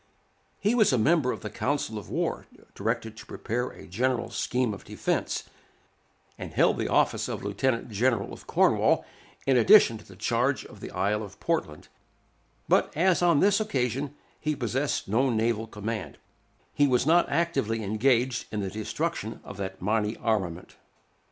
He was a member of the council of war directed to prepare a general scheme of defence, and held the office of Lieutenant General of Cornwall, in addition to the charge of the Isle of Portland; but as on this occasion he possessed no naval command, he was not actively engaged in the destruction of that mighty armament.